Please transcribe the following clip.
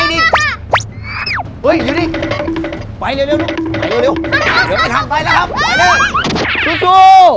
หนึ่งสู้